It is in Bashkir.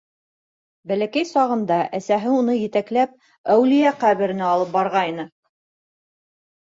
Бәләкәй сағында әсәһе уны етәкләп «Әүлиә ҡәбере»нә алып барғайны.